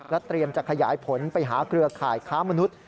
เตรียมจะขยายผลไปหาเครือข่ายค้ามนุษย์